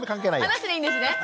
あなしでいいんですね。